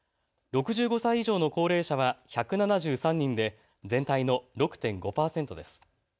６５歳以上の高齢者は１７３人で全体の６．５％です。